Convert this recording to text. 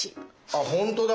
あ本当だ。